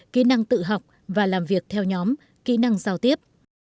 kỹ năng tự học và làm việc theo nhóm kỹ năng giao tiếp